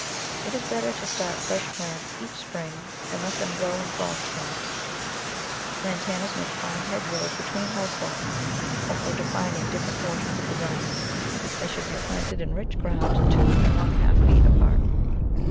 It is better to start fresh plants each spring and let them go when frost comes. Digitized by Google Eight] Hou*e*plante «3 Lantanas make fine hedgerows between house lots or for defining different portions of the grounds. They should be planted in rich ground two and one* half feet apart.